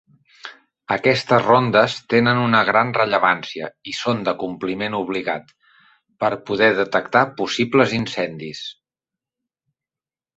Aquestes rondes tenen una gran rellevància i són d'acompliment obligat, per poder detectar possibles incendis.